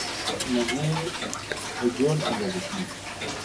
انرژي په جول اندازه کېږي.